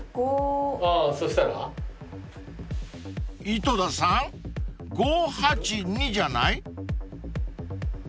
［井戸田さん５８２じゃない？］